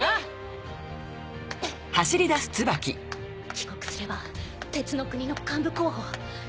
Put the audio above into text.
帰国すれば鉄の国の幹部候補。